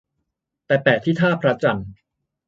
แต่แปะที่ท่าพระจันทร์